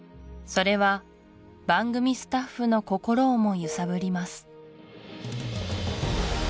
それは番組スタッフの心をも揺さぶります